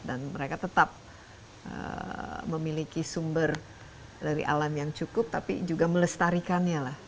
dan mereka tetap memiliki sumber dari alam yang cukup tapi juga melestarikannya lah